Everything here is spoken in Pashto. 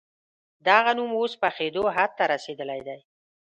دغه نوم اوس پخېدو حد ته رسېدلی دی.